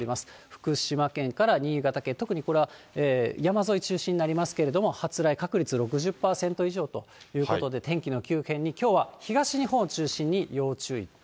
福島県から新潟県、特にこれは山沿い中心になりますけれども、発雷確率６０％以上ということで、天気の急変にきょうは東日本中心に要注意。